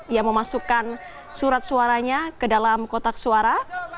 ia memasukkan surat suaranya ke dalam kotak suara